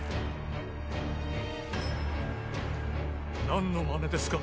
何のマネですか？